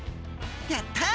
やった！